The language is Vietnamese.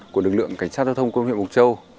của lực lượng cảnh sát giao thông công huyện mộc châu